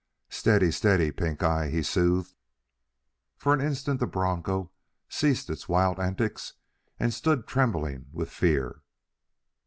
"Steady, steady, Pink eye," he soothed. For an instant the broncho ceased its wild antics and stood trembling with fear.